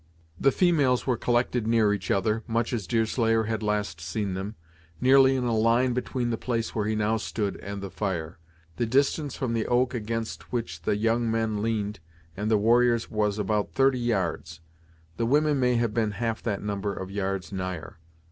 The females were collected near each other, much as Deerslayer had last seen them, nearly in a line between the place where he now stood and the fire. The distance from the oak against which the young men leaned and the warriors was about thirty yards; the women may have been half that number of yards nigher.